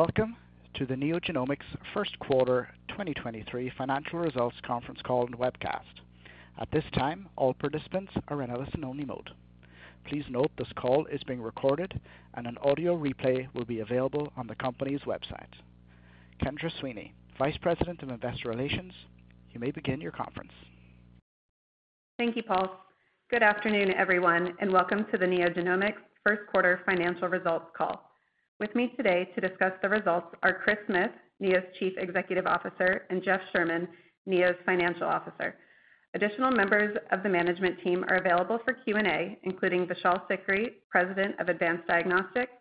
Welcome to the NeoGenomics first quarter 2023 financial results conference call and webcast. At this time, all participants are in a listen only mode. Please note this call is being recorded and an audio replay will be available on the company's website. Kendra Sweeney, Vice President of Investor Relations, you may begin your conference. Thank you, Paul. Good afternoon, everyone, and welcome to the NeoGenomics first quarter financial results call. With me today to discuss the results are Chris Smith, Neo's Chief Executive Officer, and Jeff Sherman, Neo's Financial Officer. Additional members of the management team are available for Q&A, including Vishal Sikri, President of Advanced Diagnostics,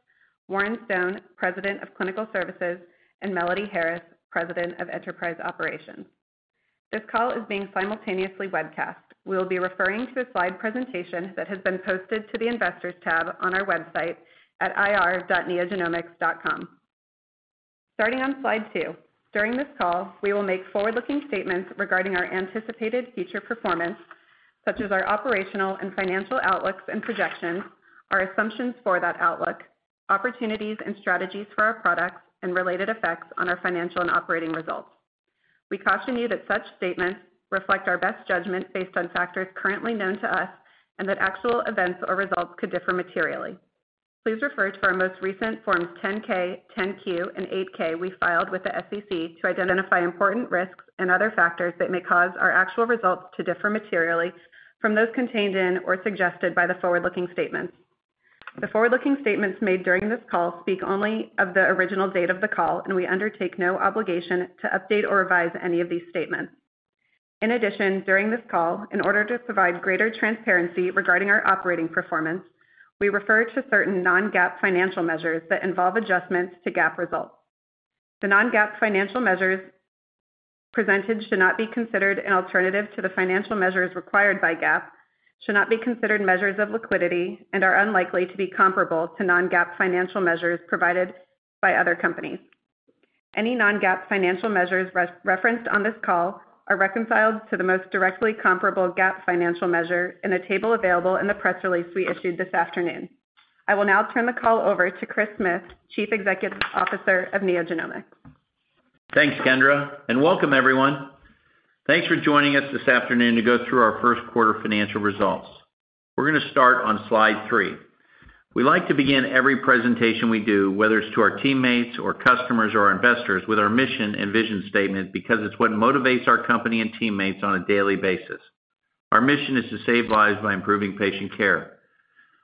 Warren Stone, President of Clinical Services, and Melody Harris, President of Enterprise Operations. This call is being simultaneously webcast. We will be referring to a slide presentation that has been posted to the Investors tab on our website at ir.neogenomics.com. Starting on slide two. During this call, we will make forward-looking statements regarding our anticipated future performance, such as our operational and financial outlooks and projections, our assumptions for that outlook, opportunities and strategies for our products, and related effects on our financial and operating results. We caution you that such statements reflect our best judgment based on factors currently known to us, that actual events or results could differ materially. Please refer to our most recent Forms 10-K, 10-Q, and 8-K we filed with the SEC to identify important risks and other factors that may cause our actual results to differ materially from those contained in or suggested by the forward-looking statements. The forward-looking statements made during this call speak only of the original date of the call, we undertake no obligation to update or revise any of these statements. During this call, in order to provide greater transparency regarding our operating performance, we refer to certain non-GAAP financial measures that involve adjustments to GAAP results. The non-GAAP financial measures presented should not be considered an alternative to the financial measures required by GAAP, should not be considered measures of liquidity, and are unlikely to be comparable to non-GAAP financial measures provided by other companies. Any non-GAAP financial measures referenced on this call are reconciled to the most directly comparable GAAP financial measure in a table available in the press release we issued this afternoon. I will now turn the call over to Chris Smith, Chief Executive Officer of NeoGenomics. Thanks, Kendra. Welcome everyone. Thanks for joining us this afternoon to go through our first quarter financial results. We're going to start on slide three. We like to begin every presentation we do, whether it's to our teammates or customers or investors, with our mission and vision statement, because it's what motivates our company and teammates on a daily basis. Our mission is to save lives by improving patient care.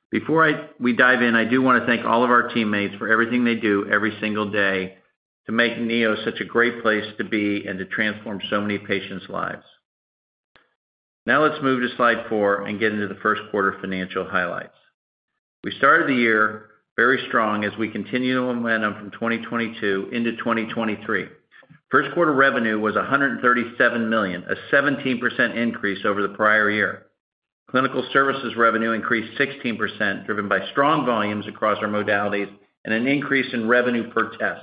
Before we dive in, I do want to thank all of our teammates for everything they do every single day to make Neo such a great place to be and to transform so many patients' lives. Let's move to slide four and get into the first quarter financial highlights. We started the year very strong as we continue the momentum from 2022 into 2023. First quarter revenue was $137 million, a 17% increase over the prior year. Clinical services revenue increased 16%, driven by strong volumes across our modalities and an increase in revenue per test.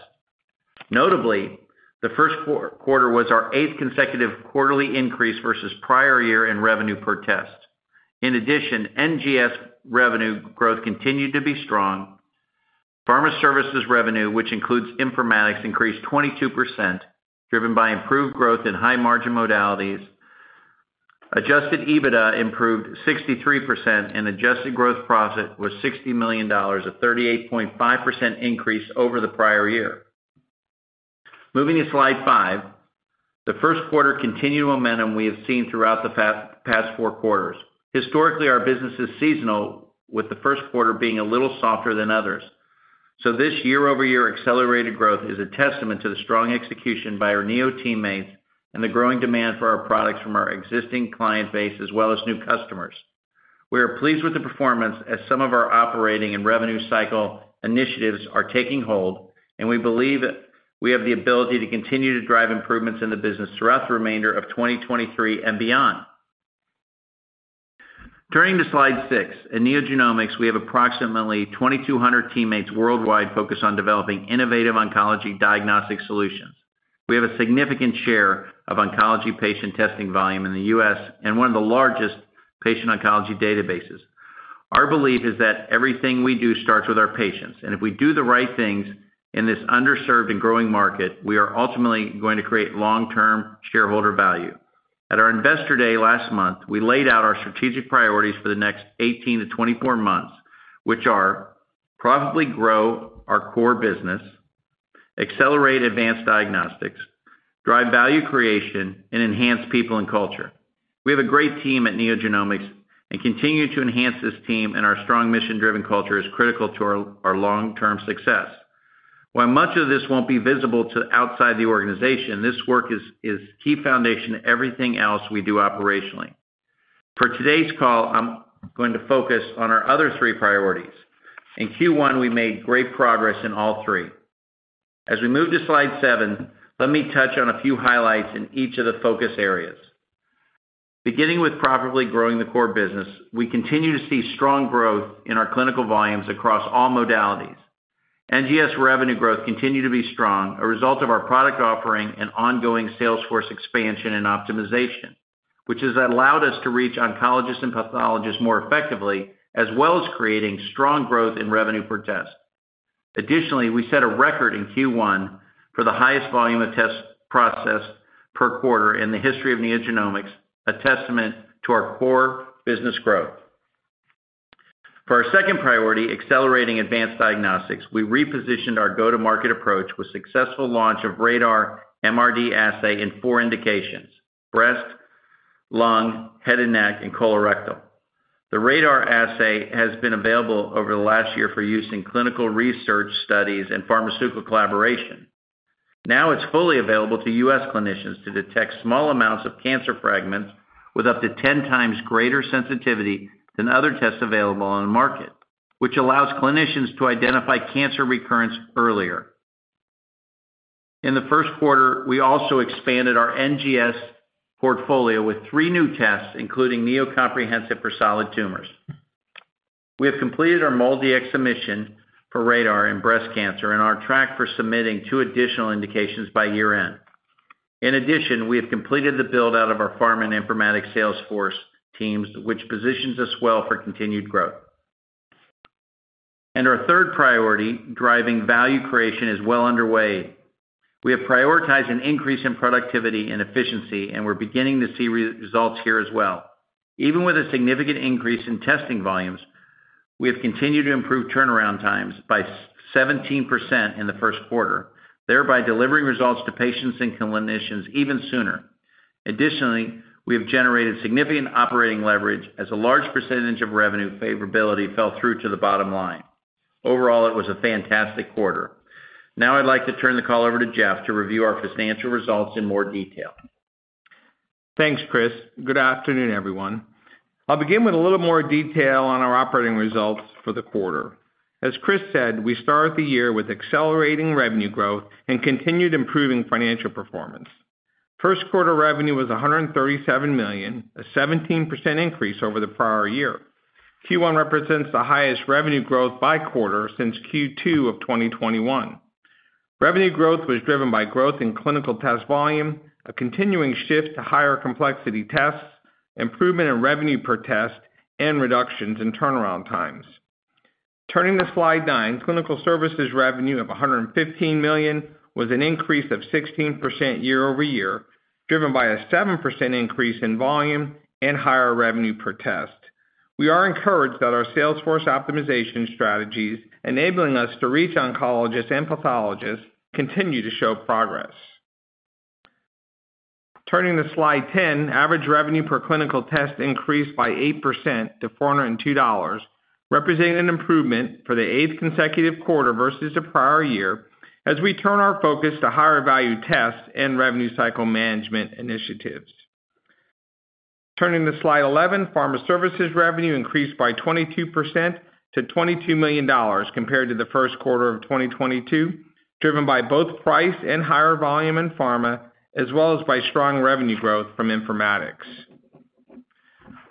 Notably, the first quarter was our eighth consecutive quarterly increase versus prior year in revenue per test. NGS revenue growth continued to be strong. Pharma services revenue, which includes informatics, increased 22%, driven by improved growth in high margin modalities. Adjusted EBITDA improved 63%. Adjusted gross profit was $60 million, a 38.5% increase over the prior year. Moving to slide five. The first quarter continued momentum we have seen throughout the past four quarters. Historically, our business is seasonal, with the first quarter being a little softer than others. This year-over-year accelerated growth is a testament to the strong execution by our Neo teammates and the growing demand for our products from our existing client base as well as new customers. We are pleased with the performance as some of our operating and revenue cycle initiatives are taking hold, and we believe we have the ability to continue to drive improvements in the business throughout the remainder of 2023 and beyond. Turning to slide six. At NeoGenomics, we have approximately 2,200 teammates worldwide focused on developing innovative oncology diagnostic solutions. We have a significant share of oncology patient testing volume in the U.S. and one of the largest patient oncology databases. Our belief is that everything we do starts with our patients, and if we do the right things in this underserved and growing market, we are ultimately going to create long-term shareholder value. At our investor day last month, we laid out our strategic priorities for the next 18-24 months, which are: profitably grow our core business, accelerate advanced diagnostics, drive value creation, and enhance people and culture. We have a great team at NeoGenomics and continue to enhance this team, and our strong mission-driven culture is critical to our long-term success. While much of this won't be visible to outside the organization, this work is key foundation to everything else we do operationally. For today's call, I'm going to focus on our other three priorities. In Q1, we made great progress in all three. As we move to slide seven, let me touch on a few highlights in each of the focus areas. Beginning with profitably growing the core business, we continue to see strong growth in our clinical volumes across all modalities. NGS revenue growth continued to be strong, a result of our product offering and ongoing sales force expansion and optimization, which has allowed us to reach oncologists and pathologists more effectively, as well as creating strong growth in revenue per test. Additionally, we set a record in Q1 for the highest volume of tests processed per quarter in the history of NeoGenomics, a testament to our core business growth. For our second priority, accelerating advanced diagnostics, we repositioned our go-to-market approach with successful launch of RaDaR MRD assay in four indications: breast, lung, head and neck, and colorectal. The RaDaR assay has been available over the last year for use in clinical research studies and pharmaceutical collaboration. Now it's fully available to U.S. clinicians to detect small amounts of cancer fragments with up to 10 times greater sensitivity than other tests available on the market, which allows clinicians to identify cancer recurrence earlier. In the first quarter, we also expanded our NGS portfolio with three new tests, including Neo Comprehensive for solid tumors. We have completed our MolDX submission for RaDaR in breast cancer and are on track for submitting two additional indications by year-end. In addition, we have completed the build-out of our pharma and informatics sales force teams, which positions us well for continued growth. Our third priority, driving value creation, is well underway. We have prioritized an increase in productivity and efficiency, and we're beginning to see results here as well. Even with a significant increase in testing volumes, we have continued to improve turnaround times by 17% in the first quarter, thereby delivering results to patients and clinicians even sooner. Additionally, we have generated significant operating leverage as a large percentage of revenue favorability fell through to the bottom line. Overall, it was a fantastic quarter. I'd like to turn the call over to Jeff to review our financial results in more detail. Thanks, Chris. Good afternoon, everyone. I'll begin with a little more detail on our operating results for the quarter. As Chris said, we start the year with accelerating revenue growth and continued improving financial performance. First quarter revenue was $137 million, a 17% increase over the prior year. Q1 represents the highest revenue growth by quarter since Q2 of 2021. Revenue growth was driven by growth in clinical test volume, a continuing shift to higher complexity tests, improvement in revenue per test, and reductions in turnaround times. Turning to slide nine, clinical services revenue of $115 million was an increase of 16% year-over-year, driven by a 7% increase in volume and higher revenue per test. We are encouraged that our Salesforce optimization strategies enabling us to reach oncologists and pathologists continue to show progress. Turning to slide 10, average revenue per clinical test increased by 8% to $402, representing an improvement for the eighth consecutive quarter versus the prior year, as we turn our focus to higher value tests and revenue cycle management initiatives. Turning to slide 11, pharma services revenue increased by 22% to $22 million compared to the first quarter of 2022, driven by both price and higher volume in pharma, as well as by strong revenue growth from informatics.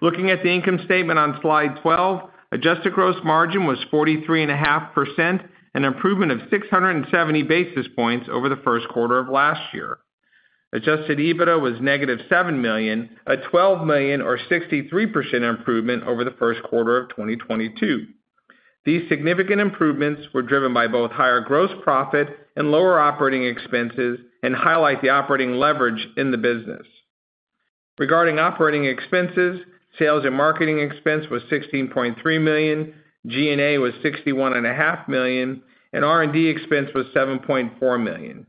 Looking at the income statement on slide 12, adjusted gross margin was 43.5%, an improvement of 670 basis points over the first quarter of last year. Adjusted EBITDA was negative $7 million, a $12 million or 63% improvement over the first quarter of 2022. These significant improvements were driven by both higher gross profit and lower operating expenses and highlight the operating leverage in the business. Regarding operating expenses, sales and marketing expense was $16.3 million, G&A was $61.5 million, and R&D expense was $7.4 million.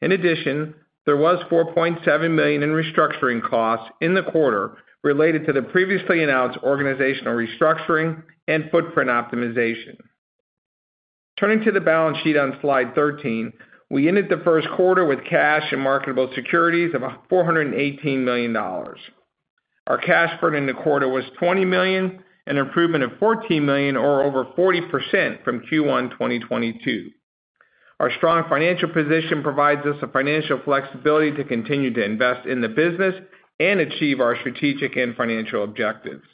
In addition, there was $4.7 million in restructuring costs in the quarter related to the previously announced organizational restructuring and footprint optimization. Turning to the balance sheet on slide 13, we ended the first quarter with cash and marketable securities of $418 million. Our cash burn in the quarter was $20 million, an improvement of $14 million or over 40% from Q1 2022. Our strong financial position provides us the financial flexibility to continue to invest in the business and achieve our strategic and financial objectives.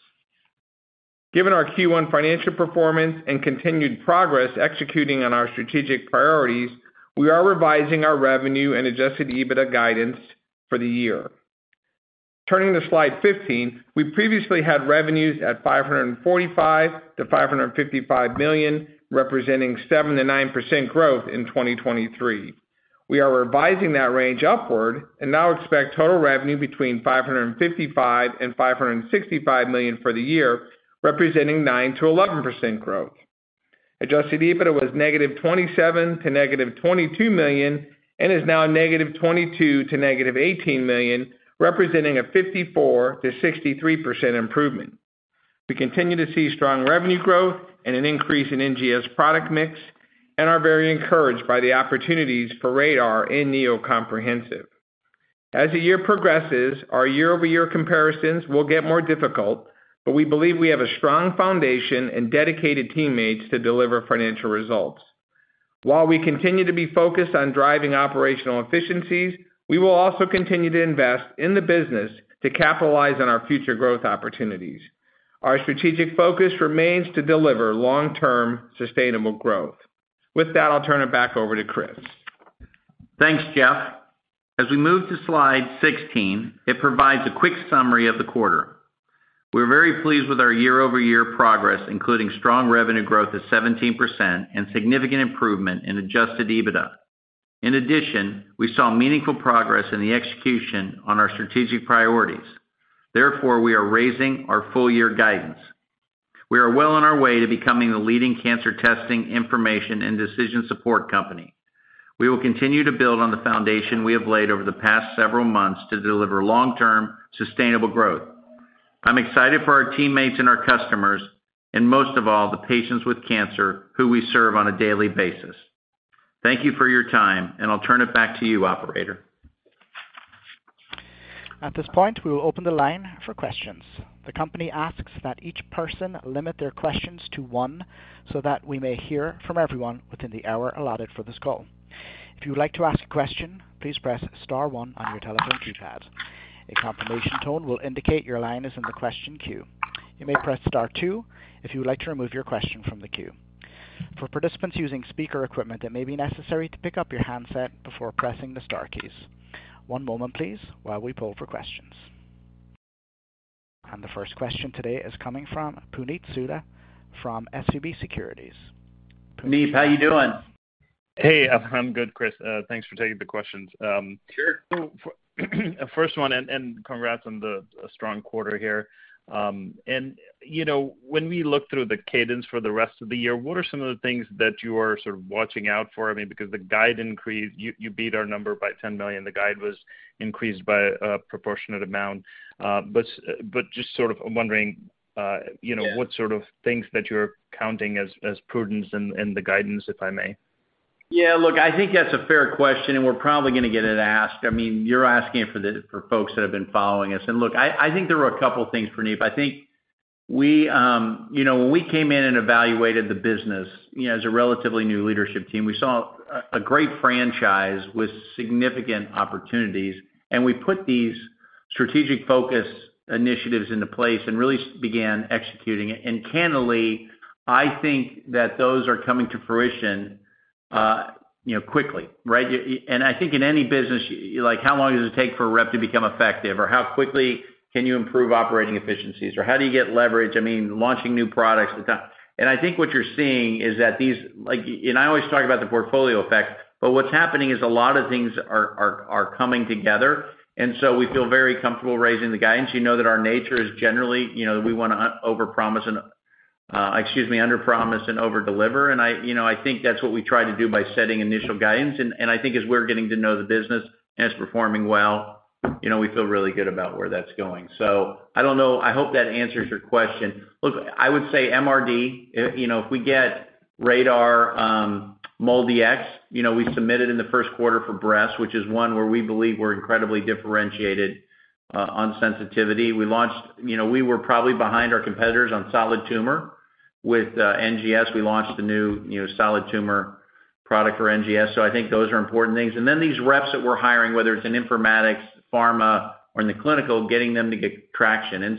Given our Q1 financial performance and continued progress executing on our strategic priorities, we are revising our revenue and adjusted EBITDA guidance for the year. Turning to slide 15, we previously had revenues at $545 million-$555 million, representing 7%-9% growth in 2023. We are revising that range upward and now expect total revenue between $555 million and $565 million for the year, representing 9%-11% growth. Adjusted EBITDA was negative $27 million to negative $22 million and is now negative $22 million to negative $18 million, representing a 54%-63% improvement. We continue to see strong revenue growth and an increase in NGS product mix and are very encouraged by the opportunities for RaDaR and Neo Comprehensive. As the year progresses, our year-over-year comparisons will get more difficult, but we believe we have a strong foundation and dedicated teammates to deliver financial results. While we continue to be focused on driving operational efficiencies, we will also continue to invest in the business to capitalize on our future growth opportunities. Our strategic focus remains to deliver long-term sustainable growth. With that, I'll turn it back over to Chris. Thanks, Jeff. As we move to slide 16, it provides a quick summary of the quarter. We're very pleased with our year-over-year progress, including strong revenue growth of 17% and significant improvement in adjusted EBITDA. In addition, we saw meaningful progress in the execution on our strategic priorities. We are raising our full year guidance. We are well on our way to becoming the leading cancer testing information and decision support company. We will continue to build on the foundation we have laid over the past several months to deliver long-term sustainable growth. I'm excited for our teammates and our customers and most of all, the patients with cancer who we serve on a daily basis. Thank you for your time, and I'll turn it back to you, operator. At this point, we will open the line for questions. The company asks that each person limit their questions to one so that we may hear from everyone within the hour allotted for this call. If you would like to ask a question, please press star one on your telephone keypad. A confirmation tone will indicate your line is in the question queue. You may press star two if you would like to remove your question from the queue. For participants using speaker equipment, it may be necessary to pick up your handset before pressing the star keys. One moment please while we poll for questions. The first question today is coming from Puneet Souda from Leerink Partners. Puneet, how you doing? Hey, I'm good, Chris. Thanks for taking the questions. Sure. First one and congrats on the strong quarter here. You know, when we look through the cadence for the rest of the year, what are some of the things that you are sort of watching out for? I mean, because the guide increased... You beat our number by $10 million. The guide was increased by a proportionate amount. Just sort of wondering, you know. Yeah... what sort of things that you're counting as prudence in the guidance, if I may? Yeah. Look, I think that's a fair question, and we're probably gonna get it asked. I mean, you're asking it for folks that have been following us. Look, I think there were a couple of things, Puneet. I think we, you know, when we came in and evaluated the business, you know, as a relatively new leadership team, we saw a great franchise with significant opportunities, and we put these strategic focus initiatives into place and really began executing it. Candidly, I think that those are coming to fruition, you know, quickly, right? I think in any business, like, how long does it take for a rep to become effective? Or how quickly can you improve operating efficiencies? Or how do you get leverage, I mean, launching new products? I think what you're seeing is that these like... I always talk about the portfolio effect, but what's happening is a lot of things are coming together, we feel very comfortable raising the guidance. You know that our nature is generally, you know, we want to underpromise and overdeliver. I, you know, I think that's what we try to do by setting initial guidance. I think as we're getting to know the business and it's performing well, you know, we feel really good about where that's going. I don't know. I hope that answers your question. I would say MRD, you know, if we get RaDaR, MolDX, you know, we submitted in the first quarter for breast, which is one where we believe we're incredibly differentiated on sensitivity. You know, we were probably behind our competitors on solid tumor. With NGS, we launched a new, you know, solid tumor product for NGS. I think those are important things. Then these reps that we're hiring, whether it's in informatics, pharma or in the clinical, getting them to get traction.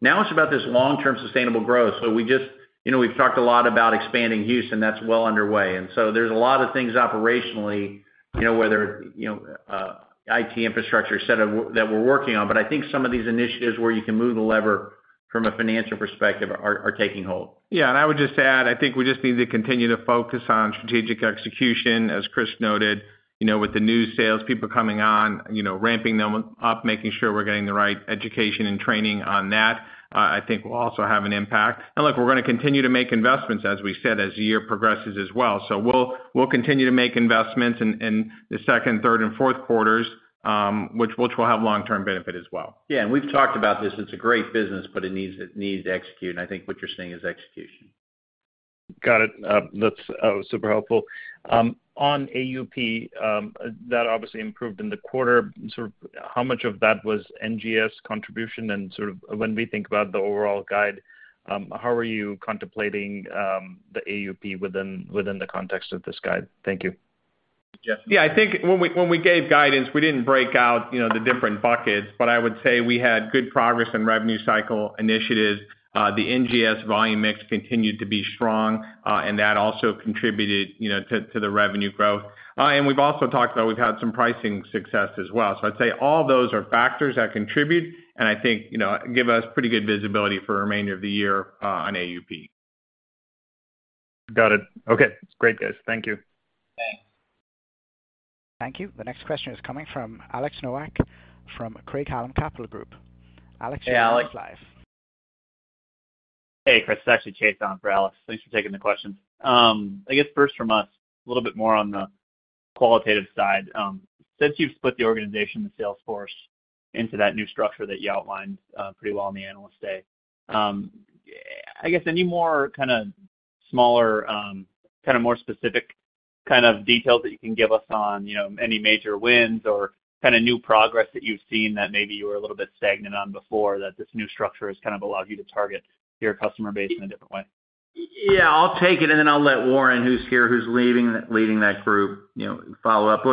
Now it's about this long-term sustainable growth. We just, you know, we've talked a lot about expanding Houston, that's well underway. There's a lot of things operationally, you know, whether, you know, IT infrastructure set that we're working on. I think some of these initiatives where you can move the lever from a financial perspective are taking hold. Yeah. I would just add, I think we just need to continue to focus on strategic execution, as Chris noted, you know, with the new sales people coming on, you know, ramping them up, making sure we're getting the right education and training on that, I think will also have an impact. Look, we're gonna continue to make investments, as we said, as the year progresses as well. We'll continue to make investments in the second, third and fourth quarters, which will have long-term benefit as well. Yeah. We've talked about this. It's a great business, but it needs to execute. I think what you're seeing is execution. Got it. That's super helpful. On AUP, that obviously improved in the quarter. Sort of how much of that was NGS contribution? Sort of when we think about the overall guide, how are you contemplating the AUP within the context of this guide? Thank you. Jeff. Yeah. I think when we gave guidance, we didn't break out, you know, the different buckets, but I would say we had good progress in revenue cycle initiatives. The NGS volume mix continued to be strong, and that also contributed, you know, to the revenue growth. We've also talked about we've had some pricing success as well. I'd say all those are factors that contribute and I think, you know, give us pretty good visibility for the remainder of the year, on AUP. Got it. Okay. Great, guys. Thank you. Thanks. Thank you. The next question is coming from Alex Nowak from Craig-Hallum Capital Group. Alex Hey, Alex. Your line's live. Hey, Chris. It's actually Chase on for Alex. Thanks for taking the question. I guess first from us, a little bit more on the qualitative side. Since you've split the organization, the sales force into that new structure that you outlined, pretty well on the Analyst Day, I guess any more kinda smaller, kinda more specific kind of details that you can give us on, you know, any major wins or kinda new progress that you've seen that maybe you were a little bit stagnant on before, that this new structure has kind of allowed you to target your customer base in a different way? Yeah, I'll take it, then I'll let Warren, who's here, who's leading that group, you know, follow up.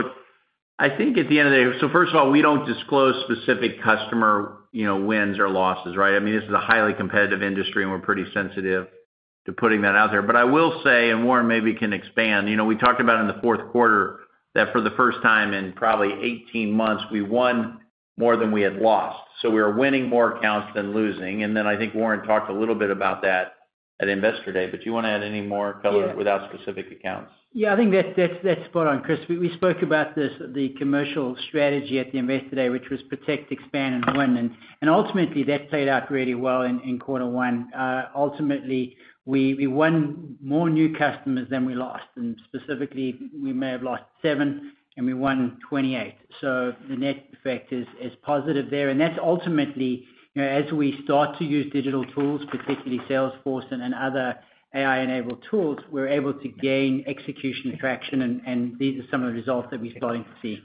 I think at the end of the day. First of all, we don't disclose specific customer, you know, wins or losses, right? I mean, this is a highly competitive industry, we're pretty sensitive to putting that out there. I will say, Warren maybe can expand, you know, we talked about in the fourth quarter that for the first time in probably 18 months, we won more than we had lost. We are winning more accounts than losing. I think Warren talked a little bit about that at Investor Day. Do you wanna add any more color without specific accounts? I think that's spot on, Chris. We spoke about this, the commercial strategy at the Investor Day, which was protect, expand, and win. Ultimately, that played out really well in quarter one. Ultimately, we won more new customers than we lost. Specifically, we may have lost seven and we won 28. The net effect is positive there. That's ultimately, you know, as we start to use digital tools, particularly Salesforce and then other AI-enabled tools, we're able to gain execution traction, and these are some of the results that we're starting to see.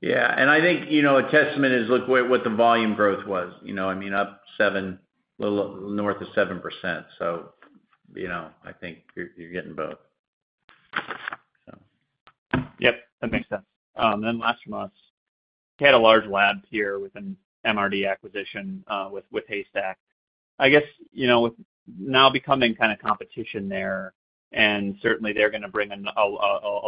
Yeah. I think, you know, a testament is look what the volume growth was. I mean, up well, north of 7%. I think you're getting both, so. Yep, that makes sense. Last from us. You had a large lab here with an MRD acquisition, with Haystack. I guess, you know, with now becoming kinda competition there, certainly they're gonna bring a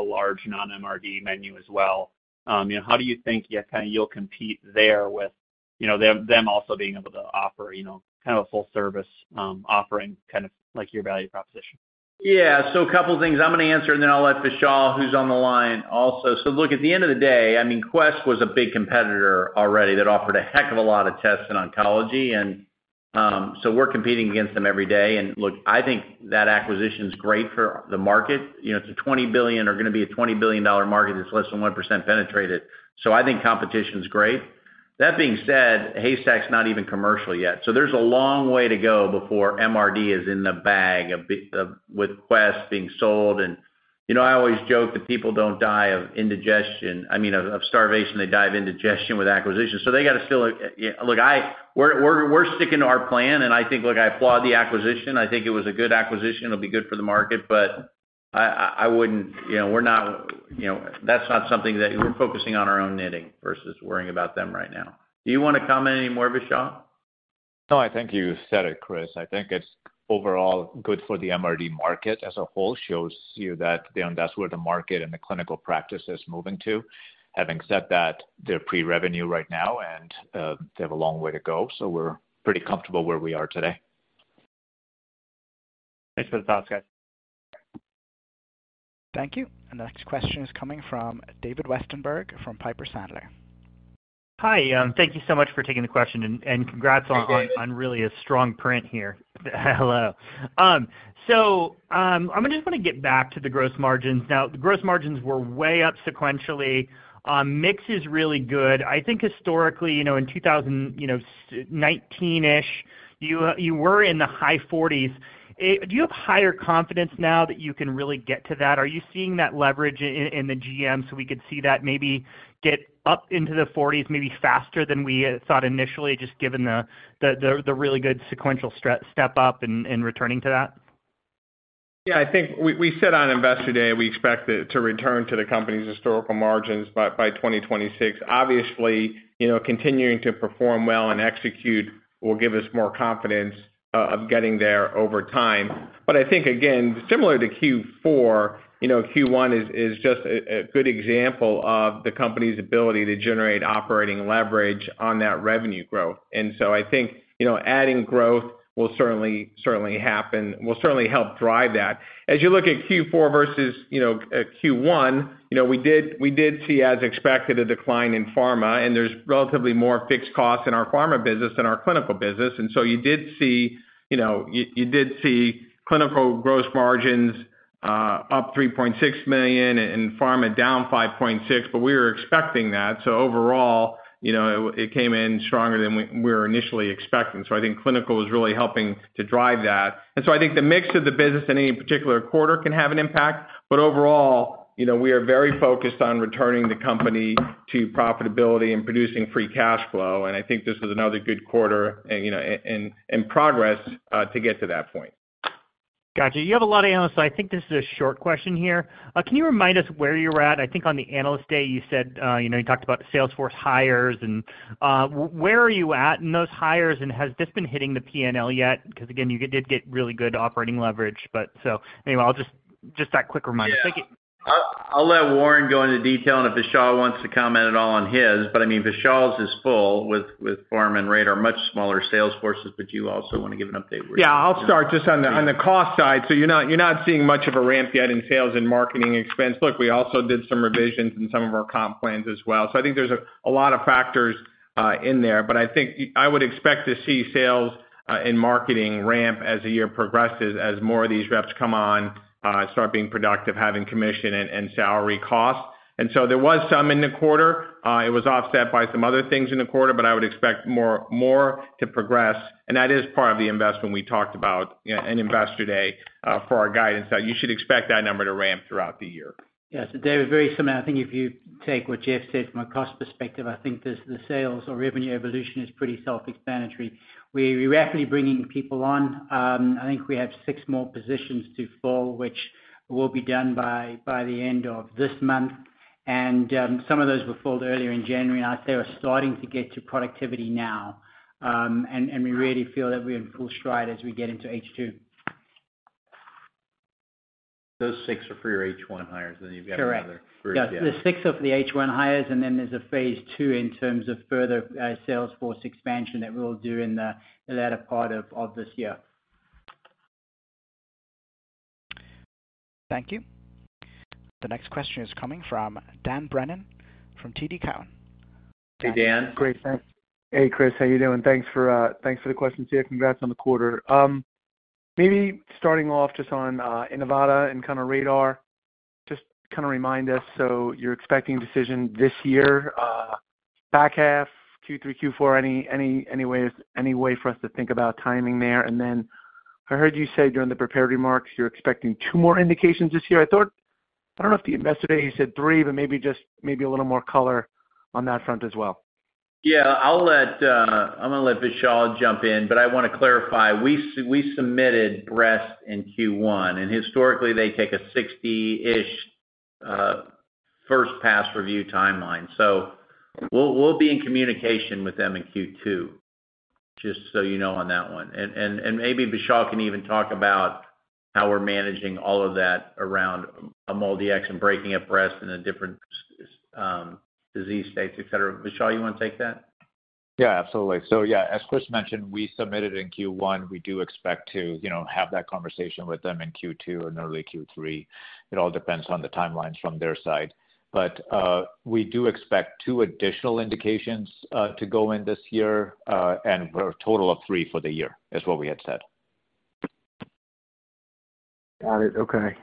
large non-MRD menu as well, you know, how do you think you'll compete there with, you know, them also being able to offer, you know, kind of a full service, offering, kind of like your value proposition? Yeah. A couple of things I'm gonna answer, and then I'll let Vishal, who's on the line also. Look, at the end of the day, I mean, Quest was a big competitor already that offered a heck of a lot of tests in oncology. We're competing against them every day. Look, I think that acquisition is great for the market. You know, it's a $20 billion or gonna be a $20 billion market that's less than 1% penetrated. I think competition is great. That being said, Haystack's not even commercial yet. There's a long way to go before MRD is in the bag a bit with Quest being sold. You know, I always joke that people don't die of indigestion, I mean, of starvation, they die of indigestion with acquisitions. They gotta still. Yeah, look, we're sticking to our plan. I think, look, I applaud the acquisition. I think it was a good acquisition. It'll be good for the market. I wouldn't, you know, we're not, you know, that's not something that we're focusing on our own knitting versus worrying about them right now. Do you wanna comment any more, Vishal? No, I think you said it, Chris. I think it's overall good for the MRD market as a whole, shows you that, you know, that's where the market and the clinical practice is moving to. Having said that, they're pre-revenue right now and, they have a long way to go, so we're pretty comfortable where we are today. Thanks for the thoughts, guys. Thank you. The next question is coming from David Westenberg from Piper Sandler. Hi. Thank you so much for taking the question, and congrats on really a strong print here. Hello. I'm just gonna get back to the gross margins. Now, the gross margins were way up sequentially. Mix is really good. I think historically, you know, in 2000, you know, 19-ish, you were in the high forties. Do you have higher confidence now that you can really get to that? Are you seeing that leverage in the GM, so we could see that maybe get up into the forties, maybe faster than we thought initially, just given the really good sequential step up and returning to that? Yeah, I think we said on Investor Day, we expect it to return to the company's historical margins by 2026. Obviously, you know, continuing to perform well and execute will give us more confidence of getting there over time. I think, again, similar to Q4, you know, Q1 is just a good example of the company's ability to generate operating leverage on that revenue growth. I think, you know, adding growth will certainly help drive that. As you look at Q4 versus, you know, Q1, you know, we did see, as expected, a decline in pharma, and there's relatively more fixed costs in our pharma business than our clinical business. You did see, you know, clinical gross margins up $3.6 million and pharma down $5.6, but we were expecting that. Overall, you know, it came in stronger than we were initially expecting. I think clinical is really helping to drive that. I think the mix of the business in any particular quarter can have an impact. Overall, you know, we are very focused on returning the company to profitability and producing free cash flow, and I think this is another good quarter, you know, in progress to get to that point. Gotcha. You have a lot of analysts, so I think this is a short question here. Can you remind us where you're at? I think on the Analyst Day, you said, you know, you talked about Salesforce hires and, where are you at in those hires, and has this been hitting the P&L yet? 'Cause again, you did get really good operating leverage. Anyway, I'll just that quick reminder. Thank you. Yeah. I'll let Warren go into detail and if Vishal wants to comment at all on his. I mean, Vishal's is full with pharma and RaDaR, much smaller sales forces. You also wanna give an update where you- Yeah, I'll start just on the cost side. You're not seeing much of a ramp yet in sales and marketing expense. Look, we also did some revisions in some of our comp plans as well. I think there's a lot of factors in there. I would expect to see sales and marketing ramp as the year progresses, as more of these reps come on, start being productive, having commission and salary costs. There was some in the quarter. It was offset by some other things in the quarter, I would expect more to progress, and that is part of the investment we talked about in Investor Day for our guidance. You should expect that number to ramp throughout the year. Yes. David, very similar. I think if you take what Jeff said from a cost perspective, I think the sales or revenue evolution is pretty self-explanatory. We're rapidly bringing people on. I think we have six more positions to fill, which will be done by the end of this month. Some of those were filled earlier in January. I'd say we're starting to get to productivity now, and we really feel that we're in full stride as we get into H2. Those six are for your H1 hires, then you've got another... Correct. for this year. Yeah. The six of the H1 hires, then there's a phase two in terms of further sales force expansion that we'll do in the latter part of this year. Thank you. The next question is coming from Dan Brennan from TD Cowen. Hey, Dan. Great, thanks. Hey, Chris, how you doing? Thanks for thanks for the question today. Congrats on the quarter. Maybe starting off just on Inivata and kind of RaDaR. Just kind of remind us, so you're expecting decision this year, back half Q3, Q4? Any way for us to think about timing there? I heard you say during the prepared remarks you're expecting two more indications this year. I thought I don't know if the investor day you said three, but maybe just a little more color on that front as well. Yeah, I'll let, I'm gonna let Vishal jump in, but I wanna clarify. We submitted breast in Q1, and historically, they take a 60-ish first pass review timeline. We'll be in communication with them in Q2, just so you know on that one. Maybe Vishal can even talk about how we're managing all of that around amending and breaking up breast in a different disease states, et cetera. Vishal, you wanna take that? Absolutely. As Chris mentioned, we submitted in Q1. We do expect to, you know, have that conversation with them in Q2 and early Q3. It all depends on the timelines from their side. We do expect two additional indications to go in this year, and we're a total of three for the year, is what we had said. Got it. Okay.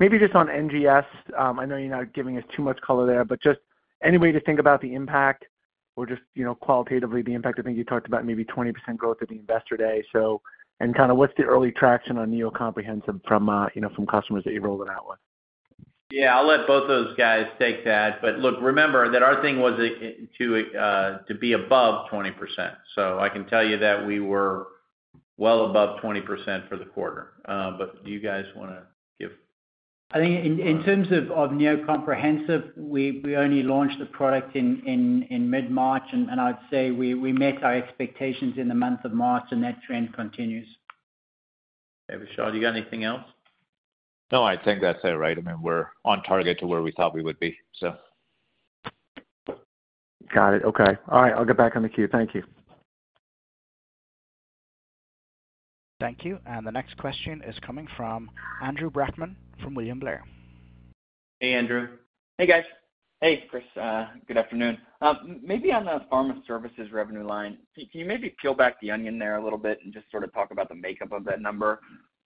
Maybe just on NGS. I know you're not giving us too much color there, but just any way to think about the impact or just, you know, qualitatively the impact, I think you talked about maybe 20% growth at the investor day. What's kind of the early traction on Neo Comprehensive from, you know, from customers that you rolled it out with? Yeah, I'll let both those guys take that. look, remember that our thing was to be above 20%. I can tell you that we were well above 20% for the quarter. do you guys wanna give? I think in terms of Neo Comprehensive, we only launched the product in mid-March, and I'd say we met our expectations in the month of March and that trend continues. Okay. Vishal, you got anything else? No, I think that's it, right. I mean, we're on target to where we thought we would be. So... Got it. Okay. All right, I'll get back in the queue. Thank you. Thank you. The next question is coming from Andrew Brackmann from William Blair. Hey, Andrew. Hey, guys. Hey, Chris, good afternoon. Maybe on the pharma services revenue line, can you maybe peel back the onion there a little bit and just sort of talk about the makeup of that number?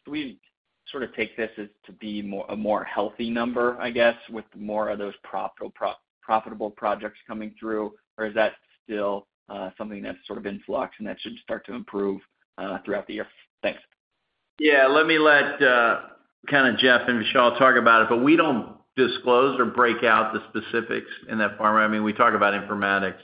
Do we sort of take this as to be a more healthy number, I guess, with more of those profitable projects coming through? Or is that still, something that's sort of in flux and that should start to improve, throughout the year? Thanks. Yeah. Let me let, kind of Jeff and Vishal talk about it, we don't disclose or break out the specifics in that pharma. I mean, we talk about informatics,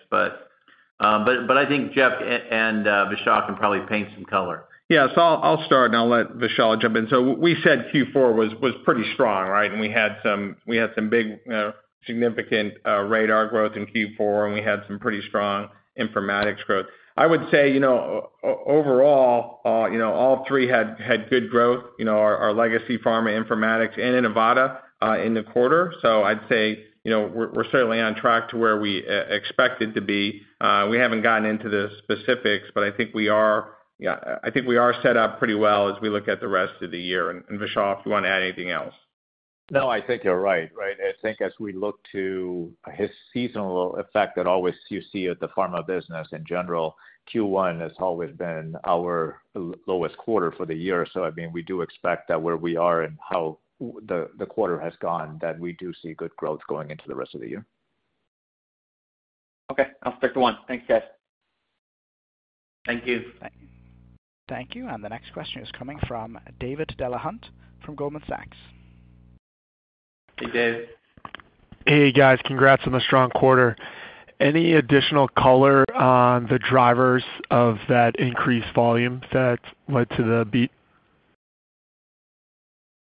I think Jeff and Vishal can probably paint some color. Yeah. I'll start, and I'll let Vishal jump in. We said Q4 was pretty strong, right? We had some big, significant RaDaR growth in Q4, and we had some pretty strong informatics growth. I would say, you know, overall, you know, all three had good growth, you know, our legacy pharma informatics and Inivata in the quarter. I'd say, you know, we're certainly on track to where we expect it to be. We haven't gotten into the specifics, but I think we are, yeah, I think we are set up pretty well as we look at the rest of the year. Vishal, if you wanna add anything else. No, I think you're right. I think as we look to a seasonal effect that always you see at the pharma business in general, Q1 has always been our lowest quarter for the year. I mean, we do expect that where we are and how the quarter has gone, that we do see good growth going into the rest of the year. Okay. I'll stick to one. Thanks, guys. Thank you. Thank you. The next question is coming from David Delahunt from Goldman Sachs. Hey, Dave. Hey, guys. Congrats on the strong quarter. Any additional color on the drivers of that increased volume that led to the beat?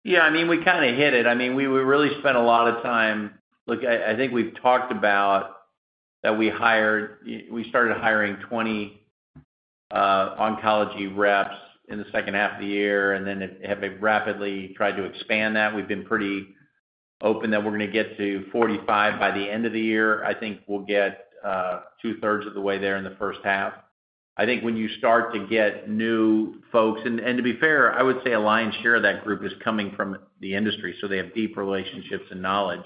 Yeah, I mean, we kinda hit it. I mean, we really spent a lot of time. Look, I think we've talked about that we started hiring 20 oncology reps in the second half of the year and then have been rapidly tried to expand that. We've been pretty open that we're gonna get to 45 by the end of the year. I think we'll get 2/3 of the way there in the first half. I think when you start to get new folks, and to be fair, I would say a lion's share of that group is coming from the industry, they have deep relationships and knowledge.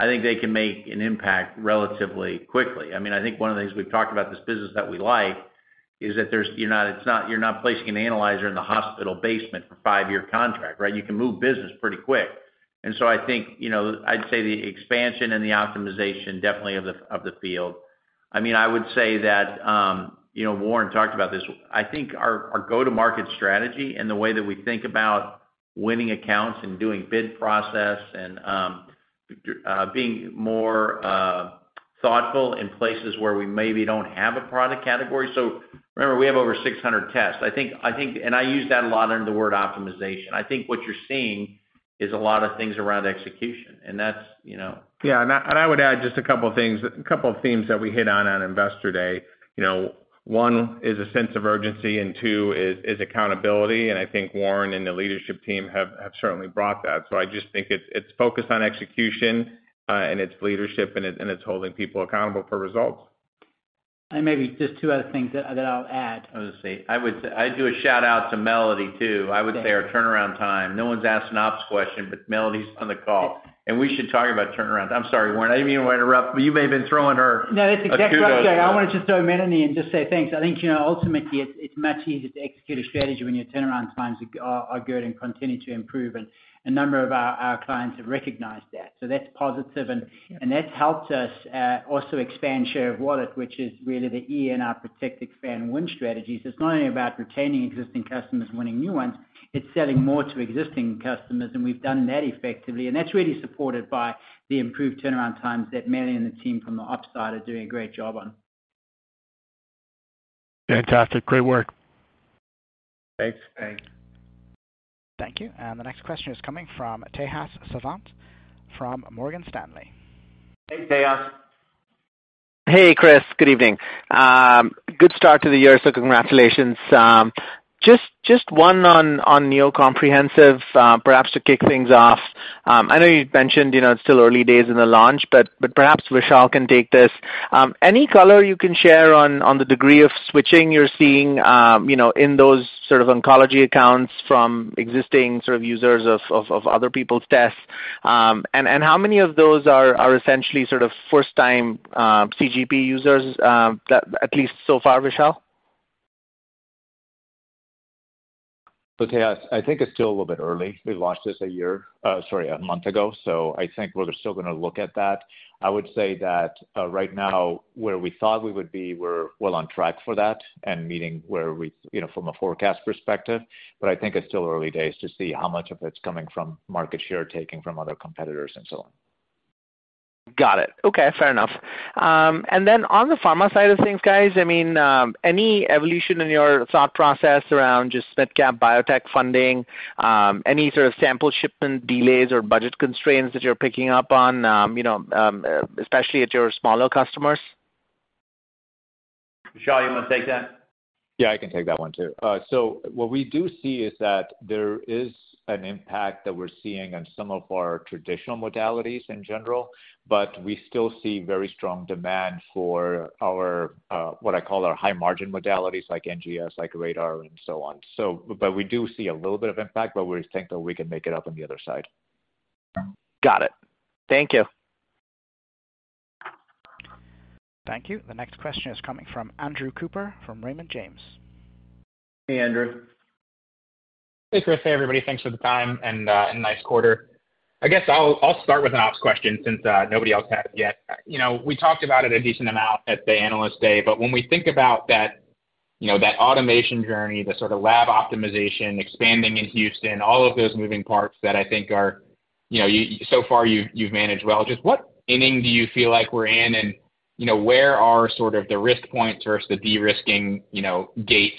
I think they can make an impact relatively quickly. I mean, I think one of the things we've talked about this business that we like is that you're not placing an analyzer in the hospital basement for five-year contract, right? You can move business pretty quick. I think, you know, I'd say the expansion and the optimization definitely of the field. I mean, I would say that, you know, Warren talked about this. I think our go-to-market strategy and the way that we think about winning accounts and doing bid process and, being more Thoughtful in places where we maybe don't have a product category. Remember, we have over 600 tests. I think I use that a lot under the word optimization. I think what you're seeing is a lot of things around execution, and that's, you know. I would add just a couple things, a couple of themes that we hit on Investor Day. You know, one is a sense of urgency, and two is accountability. I think Warren and the leadership team have certainly brought that. I just think it's focused on execution, and it's leadership and it's holding people accountable for results. Maybe just two other things that I'll add. I was gonna say, I do a shout-out to Melody too. Yeah. I would say our turnaround time. No one's asked an ops question, but Melody's on the call. Yes. We should talk about turnaround. I'm sorry, Warren, I didn't even wanna interrupt, but you may have been throwing. No, that's exactly right. ...a few kudos there. I wanted to throw Melody in and just say, thanks. I think, you know, ultimately, it's much easier to execute a strategy when your turnaround times are good and continue to improve. A number of our clients have recognized that. That's positive. Yeah That's helped us also expand share of wallet, which is really the E in our protect, expand, win strategy. It's not only about retaining existing customers and winning new ones, it's selling more to existing customers, and we've done that effectively. That's really supported by the improved turnaround times that Melody and the team from the ops side are doing a great job on. Fantastic. Great work. Thanks. Thanks. Thank you. The next question is coming from Tejas Savant from Morgan Stanley. Hey, Tejas. Hey, Chris. Good evening. Good start to the year, congratulations. Just one on Neo Comprehensive, perhaps to kick things off. I know you'd mentioned, you know, it's still early days in the launch, but perhaps Vishal can take this. Any color you can share on the degree of switching you're seeing, you know, in those sort of oncology accounts from existing sort of users of other people's tests? How many of those are essentially sort of first time CGP users that at least so far, Vishal? Tejas, I think it's still a little bit early. We launched this a month ago. I think we're still gonna look at that. I would say that, right now, where we thought we would be, we're well on track for that and meeting you know, from a forecast perspective. I think it's still early days to see how much of it's coming from market share taking from other competitors and so on. Got it. Okay, fair enough. On the pharma side of things, guys, I mean, any evolution in your thought process around just mid-cap biotech funding? Any sort of sample shipment delays or budget constraints that you're picking up on, you know, especially at your smaller customers? Vishal, you wanna take that? Yeah, I can take that one too. What we do see is that there is an impact that we're seeing on some of our traditional modalities in general, but we still see very strong demand for our, what I call our high margin modalities like NGS, like RaDaR and so on. But we do see a little bit of impact, but we think that we can make it up on the other side. Got it. Thank you. Thank you. The next question is coming from Andrew Cooper from Raymond James. Hey, Andrew. Hey, Chris. Hey, everybody. Thanks for the time and nice quarter. I guess I'll start with an ops question since nobody else has yet. You know, we talked about it a decent amount at the Analyst Day, when we think about that, you know, that automation journey, the sort of lab optimization, expanding in Houston, all of those moving parts that I think are, you know, so far you've managed well. Just what inning do you feel like we're in and, you know, where are sort of the risk points or the de-risking, you know, gates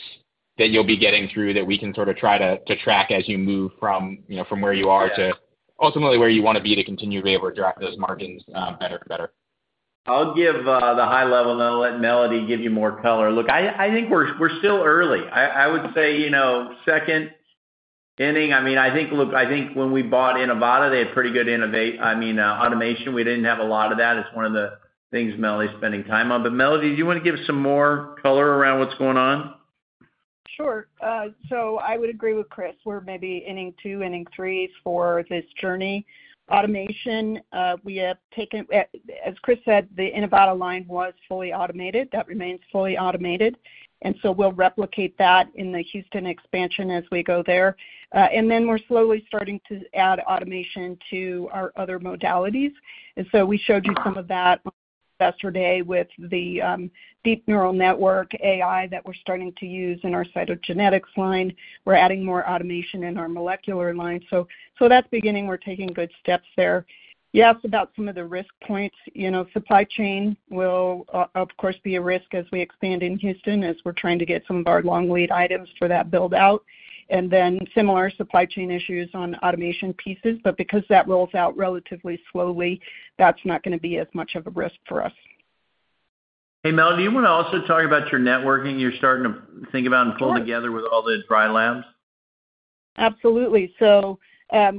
that you'll be getting through that we can sort of try to track as you move from, you know, from where you are to ultimately where you wanna be to continue to be able to drive those margins better and better? I'll give the high level and then let Melody give you more color. Look, I think we're still early. I would say, you know, second inning. Look, I think when we bought Inivata, they had pretty good I mean, automation. We didn't have a lot of that. It's one of the things Melody's spending time on. Melody, do you wanna give some more color around what's going on? Sure. I would agree with Chris. We're maybe inning two, inning three for this journey. Automation, we have taken, as Chris said, the Inivata line was fully automated. That remains fully automated, we'll replicate that in the Houston expansion as we go there. We're slowly starting to add automation to our other modalities. We showed you some of that on Investor Day with the deep neural network AI that we're starting to use in our cytogenetics line. We're adding more automation in our molecular line. That's beginning. We're taking good steps there. You asked about some of the risk points. You know, supply chain will of course, be a risk as we expand in Houston, as we're trying to get some of our long lead items for that build out, and then similar supply chain issues on automation pieces. Because that rolls out relatively slowly, that's not gonna be as much of a risk for us. Hey, Melody, you wanna also talk about your networking you're starting to think about and pull together... Sure ...with all the dry labs? Absolutely.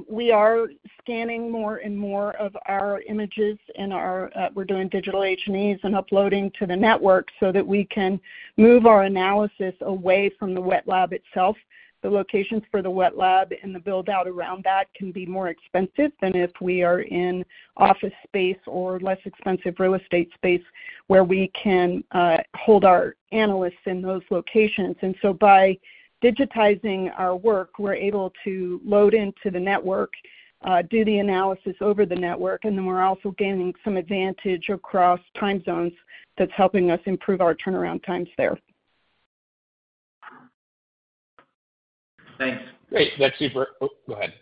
We are scanning more and more of our images and our, we're doing digital H&Es and uploading to the network so that we can move our analysis away from the wet lab itself. The locations for the wet lab and the build out around that can be more expensive than if we are in office space or less expensive real estate space where we can hold our analysts in those locations. By digitizing our work, we're able to load into the network, do the analysis over the network, and then we're also gaining some advantage across time zones that's helping us improve our turnaround times there. Thanks. Great. That's super. Oh, go ahead.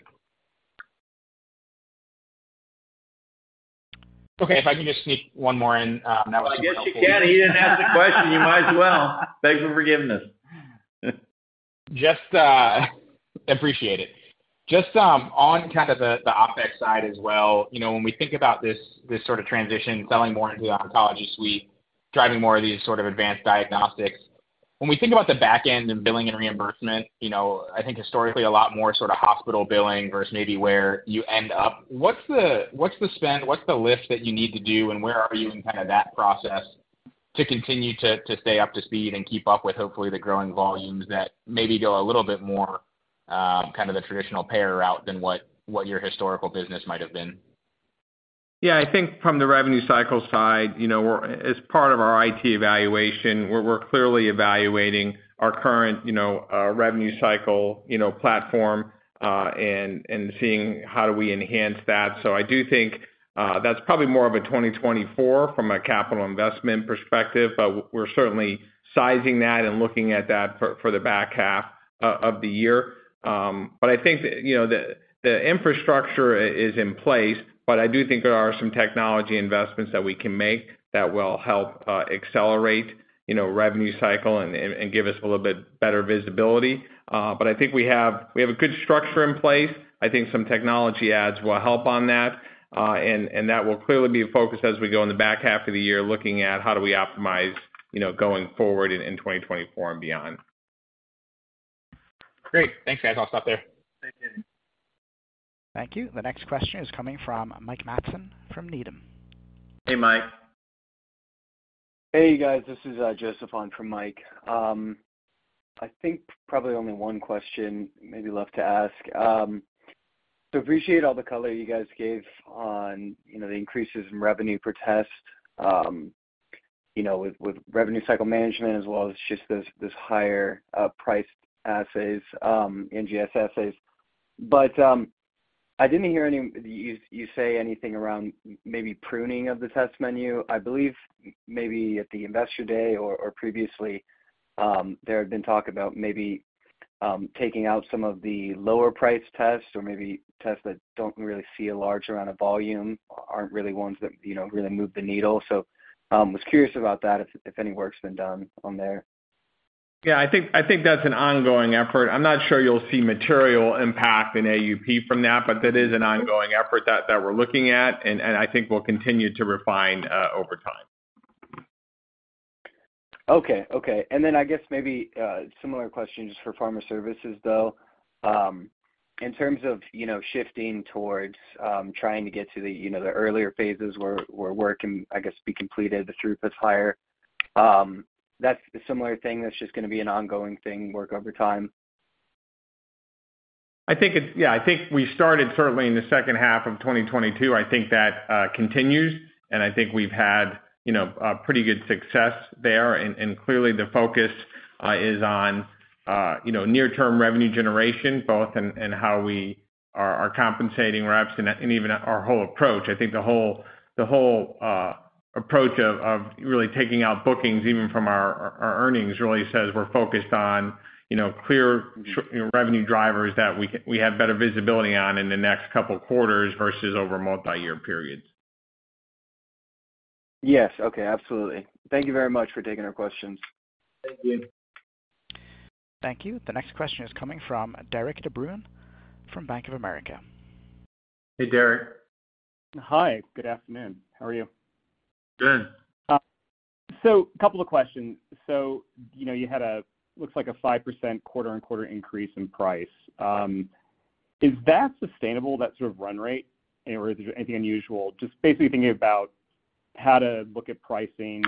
If I can just sneak one more in, that was helpful. I guess you can. He didn't ask the question, you might as well. Thanks for giving this. Just, appreciate it. Just, on kind of the OpEx side as well, you know, when we think about this sort of transition, selling more into the oncology suite, driving more of these sort of advanced diagnostics, when we think about the back-end and billing and reimbursement, you know, I think historically a lot more sort of hospital billing versus maybe where you end up, what's the spend, what's the lift that you need to do, and where are you in kind of that process to continue to stay up to speed and keep up with hopefully the growing volumes that maybe go a little bit more, kind of the traditional payer route than what your historical business might have been? Yeah. I think from the revenue cycle side, you know, we're as part of our IT evaluation, we're clearly evaluating our current, you know, revenue cycle, you know, platform, and seeing how do we enhance that. I do think that's probably more of a 2024 from a capital investment perspective, but we're certainly sizing that and looking at that for the back half of the year. I think, you know, the infrastructure is in place, but I do think there are some technology investments that we can make that will help accelerate, you know, revenue cycle and give us a little bit better visibility. I think we have a good structure in place. I think some technology adds will help on that, and that will clearly be a focus as we go in the back half of the year, looking at how do we optimize, you know, going forward in 2024 and beyond. Great. Thanks, guys. I'll stop there. Thank you. Thank you. The next question is coming from Mike Matson from Needham. Hey, Mike. Hey, guys. This is Joseph on for Mike. I think probably only one question maybe left to ask. Appreciate all the color you guys gave on, you know, the increases in revenue per test, you know, with revenue cycle management as well as just this higher priced assays, NGS assays. I didn't hear you say anything around maybe pruning of the test menu. I believe maybe at the Investor Day or previously, there had been talk about maybe taking out some of the lower priced tests or maybe tests that don't really see a large amount of volume, aren't really ones that, you know, really move the needle. Was curious about that if any work's been done on there. Yeah, I think that's an ongoing effort. I'm not sure you'll see material impact in AUP from that, but that is an ongoing effort that we're looking at and I think we'll continue to refine over time. Okay. Okay. I guess maybe, similar question just for pharma services, though. In terms of, you know, shifting towards, trying to get to the, you know, the earlier phases where work can, I guess, be completed, the throughput's higher, that's a similar thing that's just gonna be an ongoing thing, work over time? I think Yeah, I think we started certainly in the second half of 2022. I think that continues, and I think we've had, you know, a pretty good success there and clearly the focus is on, you know, near-term revenue generation, both in how we are compensating reps and even our whole approach. I think the whole approach of really taking out bookings even from our earnings really says we're focused on, you know, clear you know, revenue drivers that we have better visibility on in the next couple quarters versus over multi-year periods. Yes. Okay. Absolutely. Thank you very much for taking our questions. Thank you. Thank you. The next question is coming from Derik de Bruin from Bank of America. Hey, Derik. Hi. Good afternoon. How are you? Good. Couple of questions. You know, you had a looks like a 5% quarter-on-quarter increase in price. Is that sustainable, that sort of run rate? Or is there anything unusual? Just basically thinking about how to look at pricing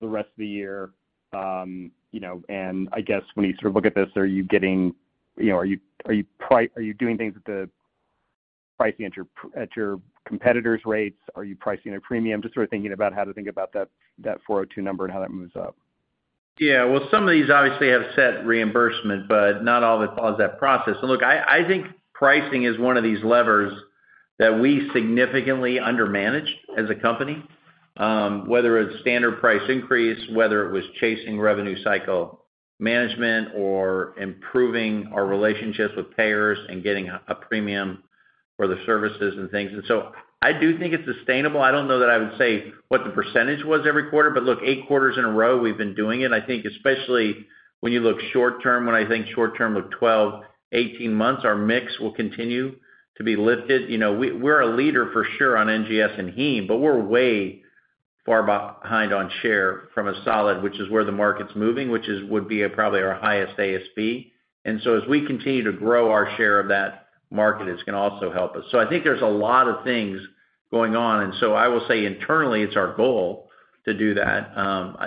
the rest of the year, you know, and I guess when you sort of look at this, are you getting? You know, are you doing things at the pricing at your competitors' rates? Are you pricing a premium? Just sort of thinking about how to think about that 402 number and how that moves up. Well, some of these obviously have set reimbursement, but not all that follows that process. Look, I think pricing is one of these levers that we significantly under manage as a company, whether it's standard price increase, whether it was chasing revenue cycle management or improving our relationships with payers and getting a premium for the services and things. I do think it's sustainable. I don't know that I would say what the percentage was every quarter, but look, eight quarters in a row we've been doing it. I think especially when you look short term, when I think short term of 12, 18 months, our mix will continue to be lifted. You know, we're a leader for sure on NGS and heme, but we're way far behind on share from a solid, which would be probably our highest ASP. As we continue to grow our share of that market, it's gonalso help us. I think there's a lot of things going on. I will say internally, it's our goal to do that.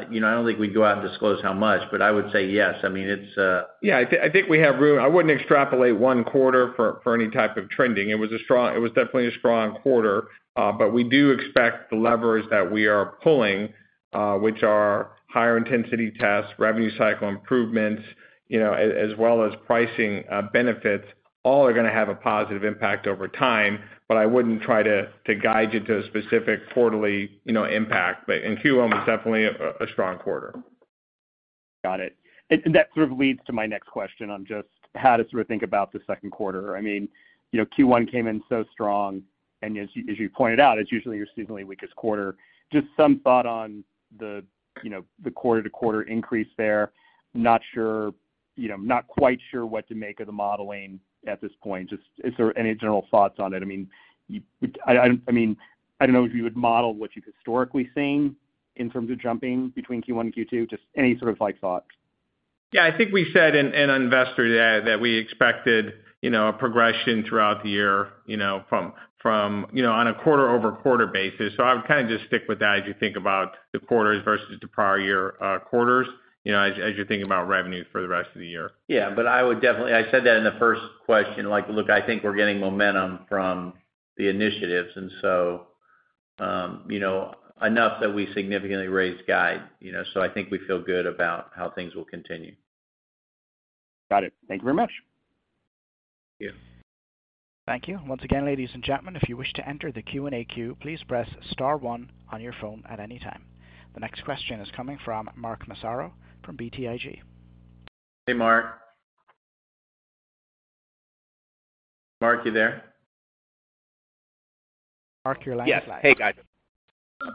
You know, I don't think we'd go out and disclose how much, but I would say yes. I mean, it's... Yeah, I think we have room. I wouldn't extrapolate one quarter for any type of trending. It was definitely a strong quarter. We do expect the levers that we are pulling, which are higher intensity tests, revenue cycle improvements, you know, as well as pricing, benefits, all are gonna have a positive impact over time. I wouldn't try to guide you to a specific quarterly, you know, impact. In Q1 was definitely a strong quarter. Got it. That sort of leads to my next question on just how to sort of think about the 2nd quarter. I mean, you know, Q1 came in so strong, and as you, as you pointed out, it's usually your seasonally weakest quarter. Some thought on the, you know, the quarter-to-quarter increase there. Not sure, you know, not quite sure what to make of the modeling at this point. Is there any general thoughts on it? I mean, I don't know if you would model what you've historically seen in terms of jumping between Q1 and Q2, just any sort of like thought. Yeah. I think we said in Investor Day that we expected, you know, a progression throughout the year, you know, from, you know, on a quarter-over-quarter basis. I would kind of just stick with that as you think about the quarters versus the prior year quarters, you know, as you're thinking about revenue for the rest of the year. Yeah, I said that in the first question. Like, look, I think we're getting momentum from the initiatives, you know, enough that we significantly raised guide, you know. I think we feel good about how things will continue. Got it. Thank you very much. Yeah. Thank you. Once again, ladies and gentlemen, if you wish to enter the Q&A queue, please press star one on your phone at any time. The next question is coming from Mark Massaro from BTIG. Hey, Mark. Mark, you there? Mark, your line is live. Hey, guys.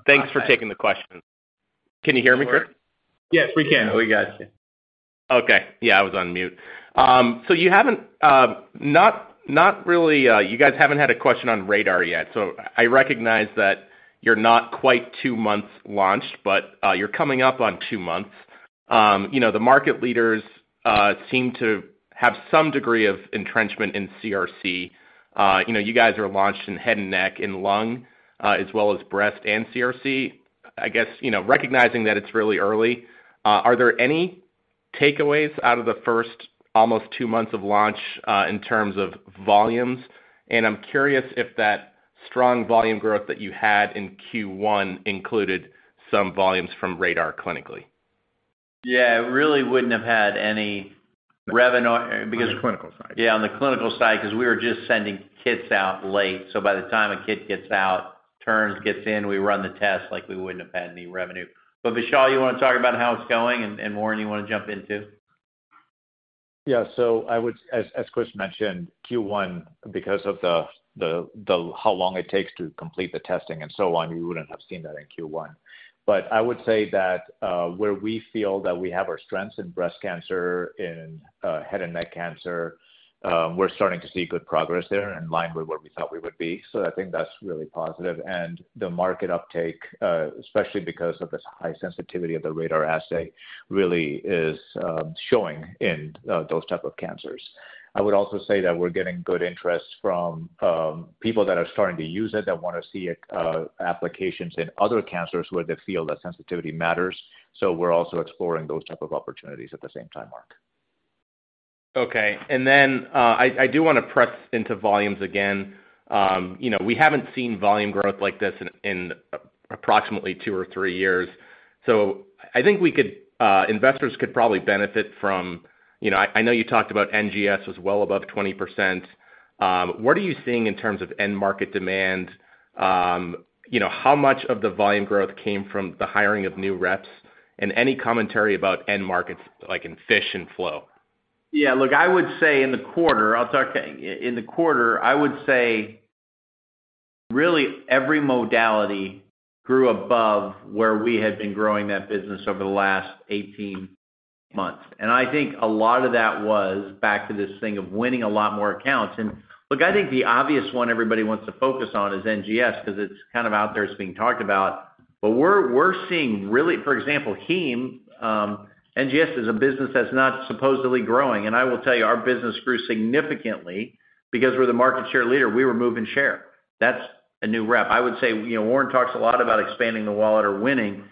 Thanks for taking the questions. Can you hear me, Chris? Yes, we can. We got you. Okay. Yeah, I was on mute. You haven't not really, you guys haven't had a question on RaDaR yet. I recognize that you're not quite two months launched, but you're coming up on two months. You know, the market leaders seem to have some degree of entrenchment in CRC. You know, you guys are launched in head and neck, in lung, as well as breast and CRC. I guess, you know, recognizing that it's really early, are there any takeaways out of the first almost two months of launch, in terms of volumes? I'm curious if that strong volume growth that you had in Q1 included some volumes from RaDaR clinically. Yeah. It really wouldn't have had any revenue because- On the clinical side. Yeah, on the clinical side, 'cause we were just sending kits out late. By the time a kit gets out, turns, gets in, we run the test, like we wouldn't have had any revenue. Vishal, you wanna talk about how it's going, and Warren, you wanna jump in too? As Chris mentioned, Q1, because of the how long it takes to complete the testing and so on, you wouldn't have seen that in Q1. I would say that where we feel that we have our strengths in breast cancer, in head and neck cancer, we're starting to see good progress there in line with where we thought we would be. I think that's really positive. The market uptake, especially because of this high sensitivity of the RaDaR assay, really is showing in those type of cancers. I would also say that we're getting good interest from people that are starting to use it, that wanna see applications in other cancers where they feel that sensitivity matters. We're also exploring those type of opportunities at the same time, Mark. Okay. I do wanna press into volumes again. You know, we haven't seen volume growth like this in approximately two or three years. Investors could probably benefit from. You know, I know you talked about NGS was well above 20%. What are you seeing in terms of end market demand? You know, how much of the volume growth came from the hiring of new reps? Any commentary about end markets, like in FISH and Flow? Yeah. Look, I would say in the quarter, In the quarter, I would say really every modality grew above where we had been growing that business over the last 18 months. I think a lot of that was back to this thing of winning a lot more accounts. Look, I think the obvious one everybody wants to focus on is NGS because it's kind of out there, it's being talked about. We're seeing really. For example, heme, NGS is a business that's not supposedly growing, and I will tell you, our business grew significantly because we're the market share leader. We were moving share. That's a new rep. I would say, you know, Warren talks a lot about expanding the wallet or winning.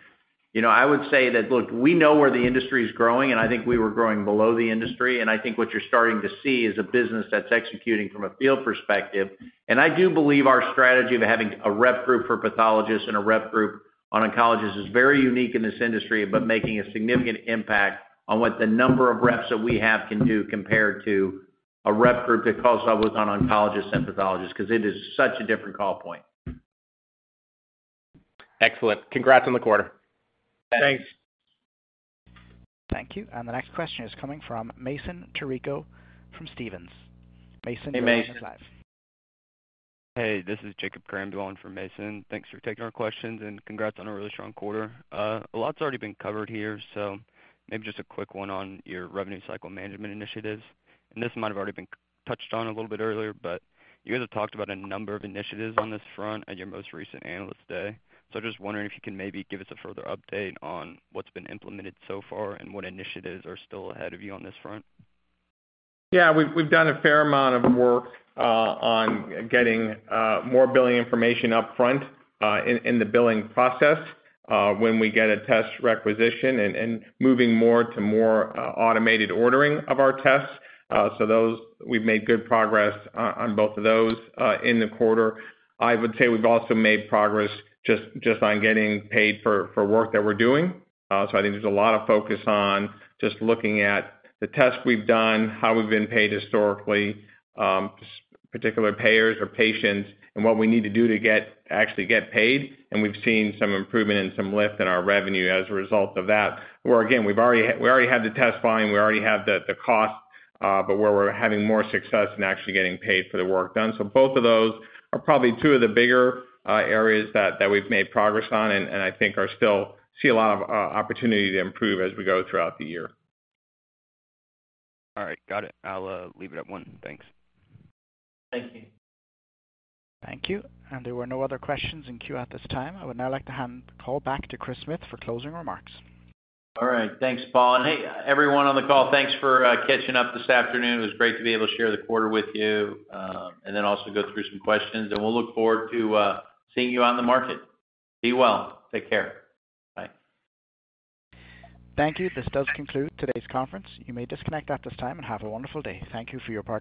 You know, I would say that, look, we know where the industry is growing, and I think we were growing below the industry. I think what you're starting to see is a business that's executing from a field perspective. I do believe our strategy of having a rep group for pathologists and a rep group on oncologists is very unique in this industry, but making a significant impact on what the number of reps that we have can do compared to a rep group that calls on oncologists and pathologists, 'cause it is such a different call point. Excellent. Congrats on the quarter. Thanks. Thank you. The next question is coming from Mason Carrico from Stephens Inc. Mason- Hey, Mason. Your line is live. Hey, this is Jacob Johnson doing for Mason. Thanks for taking our questions, and congrats on a really strong quarter. A lot's already been covered here, maybe just a quick one on your revenue cycle management initiatives. This might have already been touched on a little bit earlier, but you guys have talked about a number of initiatives on this front at your most recent Analyst Day. Just wondering if you can maybe give us a further update on what's been implemented so far and what initiatives are still ahead of you on this front? We've done a fair amount of work on getting more billing information upfront in the billing process when we get a test requisition and moving more to automated ordering of our tests. Those, we've made good progress on both of those in the quarter. I would say we've also made progress just on getting paid for work that we're doing. I think there's a lot of focus on just looking at the tests we've done, how we've been paid historically, particular payers or patients, and what we need to do to get, actually get paid. We've seen some improvement and some lift in our revenue as a result of that, where again, we've already had, we already had the test volume, we already had the cost, but where we're having more success in actually getting paid for the work done. Both of those are probably two of the bigger areas that we've made progress on and I think are still, see a lot of opportunity to improve as we go throughout the year. All right. Got it. I'll leave it at one. Thanks. Thank you. Thank you. There were no other questions in queue at this time. I would now like to hand the call back to Chris Smith for closing remarks. All right. Thanks, Paul. Hey, everyone on the call, thanks for catching up this afternoon. It was great to be able to share the quarter with you, and then also go through some questions. We'll look forward to seeing you on the market. Be well. Take care. Bye. Thank you. This does conclude today's conference. You may disconnect at this time, and have a wonderful day. Thank you for your participation.